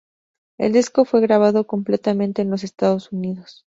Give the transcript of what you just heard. El disco fue grabado completamente en los Estados Unidos.